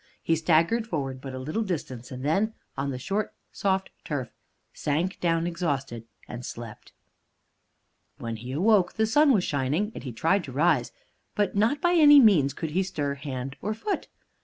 He staggered forward but a little distance, and then, on the short, soft turf, sank down exhausted and slept. When he woke, the sun was shining, and he tried to rise; but not by any means could he stir hand or foot.